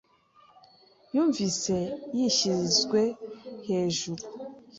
yumvise yishyizwe hejuru.